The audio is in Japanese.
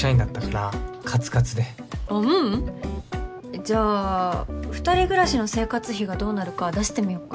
じゃあ２人暮らしの生活費がどうなるか出してみよっか。